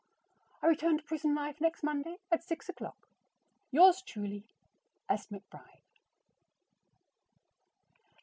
I return to prison life next Monday at six o'clock. Yours truly, S. McBRIDE.